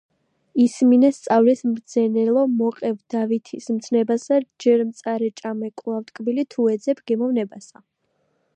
ისმინე სწავლის მძბნელო მოყევ დავითის მცნებასა ჯერ მწარე ჭამე კვლავ ტკბილი თუ ეძებ გემოვნებასა